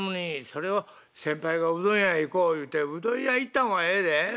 それを先輩がうどん屋行こう言うてうどん屋行ったんはええで。